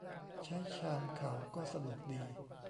ใช้ชามเขาก็สะดวกดี